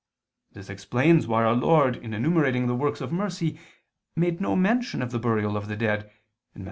] This explains why Our Lord, in enumerating the works of mercy, made no mention of the burial of the dead (Matt.